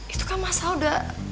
itu kan masa udah